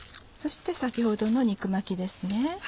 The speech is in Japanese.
そして先ほどの肉巻きですね。